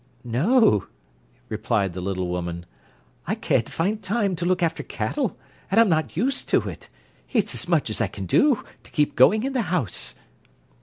"No," replied the little woman. "I can't find time to look after cattle, and I'm not used to it. It's as much as I can do to keep going in the house."